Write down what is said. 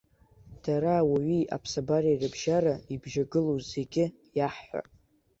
Дара ауаҩи аԥасбареи рыбжьара ибжьагылоу зегьгьы, иаҳҳәап.